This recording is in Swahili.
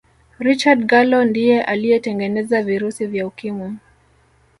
richard gallo ndiye aliyetengeneza virusi vya ukimwi